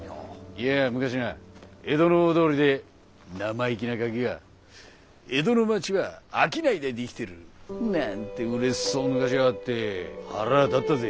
いや昔な江戸の大通りで生意気なガキが「江戸の町は商いで出来てる」なんてうれしそうにぬかしやがって腹あ立ったぜ。